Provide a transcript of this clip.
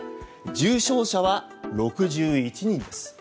重症者は６１人です。